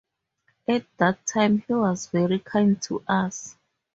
At that time he was very kind to us.